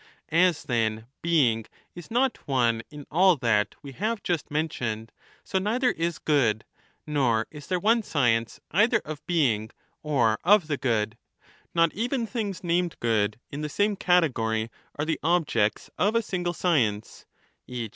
As then being is not one in all that we have just mentioned, ' so neither is good ; nor is there one science either of being 35 or of the good ; not even things named good in the same category are the objects of a single science, e.